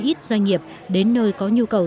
ít doanh nghiệp đến nơi có nhu cầu